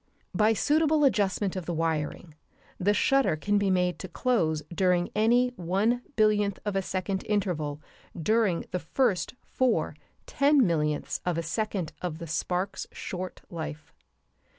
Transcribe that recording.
By suitable adjustment of the wiring, the shutter can be made to close during any one billionth of a second interval during the first four ten millionths of a second of the spark's short life.